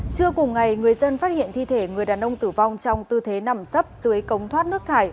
trưa cùng ngày người dân phát hiện thi thể người đàn ông tử vong trong tư thế nằm sấp dưới cống thoát nước thải